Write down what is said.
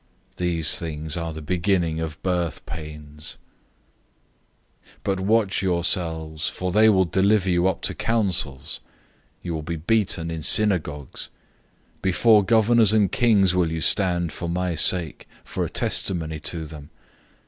These things are the beginning of birth pains. 013:009 But watch yourselves, for they will deliver you up to councils. You will be beaten in synagogues. You will stand before rulers and kings for my sake, for a testimony to them.